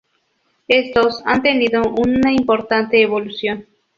Estos han tenido una importante evolución.